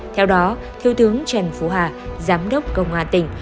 theo đó thiếu tướng trần phú hà giám đốc công an tỉnh